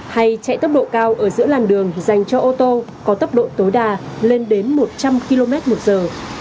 hay chạy tốc độ cao ở giữa làn đường dành cho ô tô có tốc độ tối đa lên đến một trăm linh km một giờ